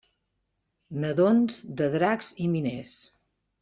Nadons de dracs i Miners.